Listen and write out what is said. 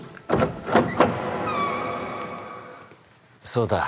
そうだ。